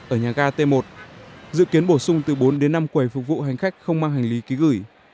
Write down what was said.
ở nhà ga t một dự kiến bổ sung từ bốn đến năm quầy phục vụ hành khách không mang hành lý ký gửi